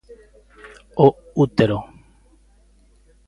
O útero.